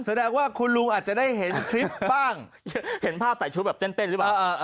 แสดงว่าคุณลุงอาจจะได้เห็นคลิปบ้างเห็นภาพใส่ชุดแบบเต้นหรือเปล่า